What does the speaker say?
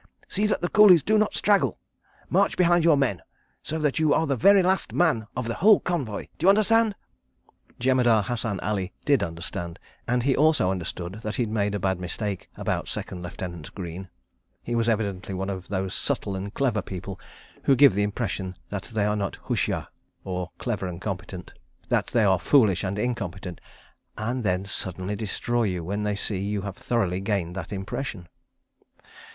See that the coolies do not straggle. March behind your men—so that you are the very last man of the whole convoy. D'you understand?" Jemadar Hassan Ali did understand, and he also understood that he'd made a bad mistake about Second Lieutenant Greene. He was evidently one of those subtle and clever people who give the impression that they are not hushyar, that they are foolish and incompetent, and then suddenly destroy you when they see you have thoroughly gained that impression.